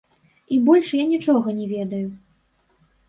І больш я нічога не ведаю.